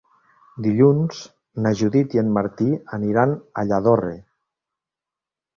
Dilluns na Judit i en Martí aniran a Lladorre.